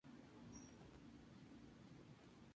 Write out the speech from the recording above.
Puede haber una ventaja financiera en apostar.